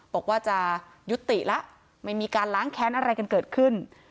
บอกว่าจะยุติแล้วไม่มีการล้างแค้นอะไรกันเกิดขึ้น